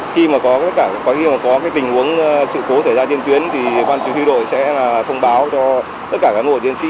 khi mà có tình huống sự khố xảy ra tiên tuyến thì quan chức huy đội sẽ thông báo cho tất cả các nguồn tiên sĩ